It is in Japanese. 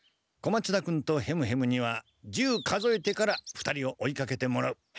小松田君とヘムヘムには１０数えてから２人を追いかけてもらう。